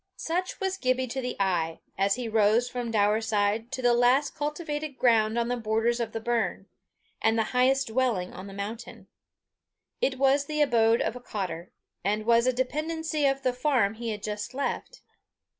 Such was Gibbie to the eye, as he rose from Daurside to the last cultivated ground on the borders of the burn, and the highest dwelling on the mountain. It was the abode of a cottar, and was a dependency of the farm he had just left.